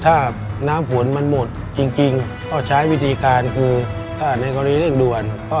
ในแคมเปญพิเศษเกมต่อชีวิตโรงเรียนของหนู